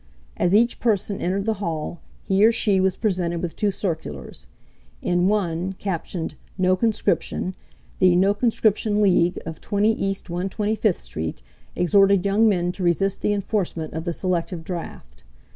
As each person entered the hall, he or she was presented with two circulars. In one, captioned "No conscription," the "No Conscription League," of 20 East 125th Street, exhorted young men to resist the enforcement of the selective draft.